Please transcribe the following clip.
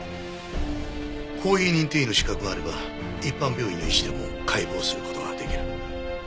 法医認定医の資格があれば一般病院の医師でも解剖する事ができる。